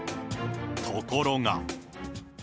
ところが。